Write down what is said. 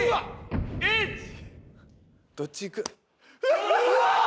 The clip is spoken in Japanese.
どっちいく？